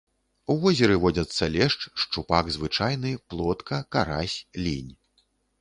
У возеры водзяцца лешч, шчупак звычайны, плотка, карась, лінь.